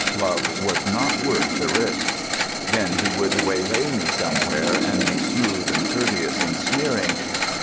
Love was not worth the risk! Then he would waylay me somewhere, and be smooth, and courteous, and sneering.